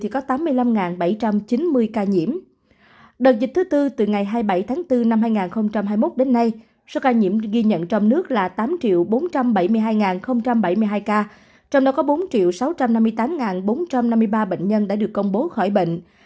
các địa phương ghi nhận số ca nhiễm giảm nhiều nhất so với ngày trước đó là tám bốn trăm bảy mươi hai bảy mươi hai ca trong đó có bốn sáu trăm năm mươi tám bốn trăm năm mươi ba bệnh nhân đã được công bố khỏi bệnh